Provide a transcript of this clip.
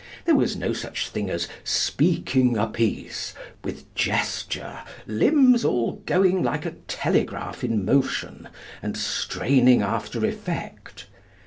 There was no such thing as 'speaking a piece,' with gesture, 'limbs all going like a telegraph in motion,' and straining after effect.